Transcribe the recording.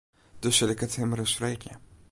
Dus sil ik it him ris freegje.